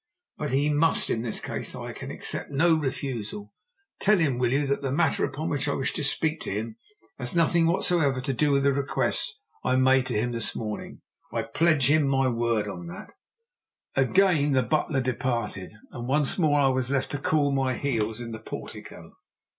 "But he must! In this case I can accept no refusal. Tell him, will you, that the matter upon which I wish to speak to him has nothing whatsoever to do with the request I made to him this morning. I pledge him my word on that." Again the butler departed, and once more I was left to cool my heels in the portico.